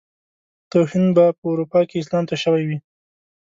توهين به په اروپا کې اسلام ته شوی وي.